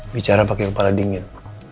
bicara pakai kepala dingin